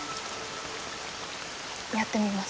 やってみます。